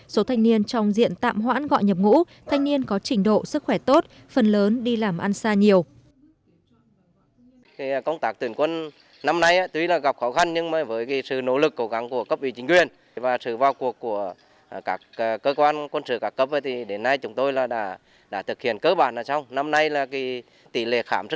số thanh niên trong diện tạm hoãn gọi nhập ngũ thanh niên có trình độ sức khỏe tốt phần lớn đi làm ăn xa nhiều